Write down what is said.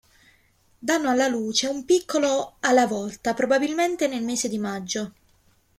Danno alla luce un piccolo alla volta probabilmente nel mese di maggio.